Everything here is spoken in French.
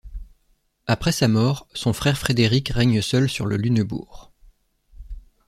Après sa mort, son frère Frédéric règne seul sur le Lunebourg.